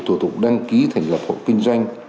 dịch vụ thủ tục đăng ký thành lập hộp kinh doanh